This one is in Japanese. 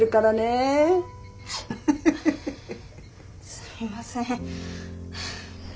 すいません。